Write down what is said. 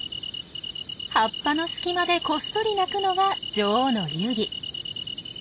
葉っぱの隙間でこっそり鳴くのが女王の流儀。